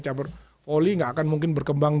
cabur voli enggak akan mungkin berkembang